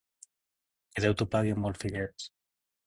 Que Déu t'ho pagui amb molts fillets!